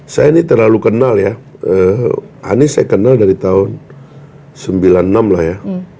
saya ini terlalu kenal ya anies saya kenal dari tahun seribu sembilan ratus sembilan puluh enam lah ya